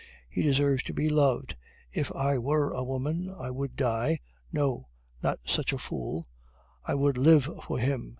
He deserves to be loved. If I were a woman, I would die (no not such a fool), I would live for him."